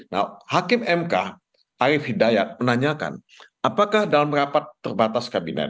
nah hakim mk arief hidayat menanyakan apakah dalam rapat terbatas kabinet